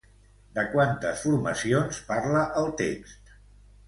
De quantes formacions parla el text?